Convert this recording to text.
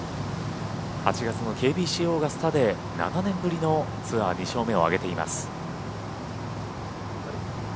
８月のＫＢＣオーガスタで７年ぶりのツアー２勝目を挙げています。